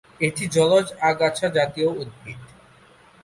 এটি জলজ আগাছা জাতীয় উদ্ভিদ।